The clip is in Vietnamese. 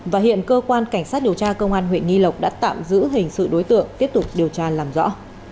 và hiện cơ quan cảnh sát điều tra công an huyện nghi lộc đã tạm giữ hình sự đối tượng tiếp tục điều tra làm rõ